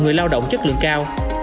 người lao động chất lượng cao